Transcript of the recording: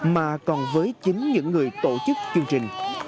mà còn với chính những người tổ chức chương trình